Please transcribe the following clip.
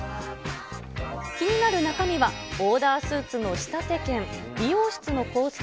気になる中身は、オーダースーツの仕立て券、理容室のコース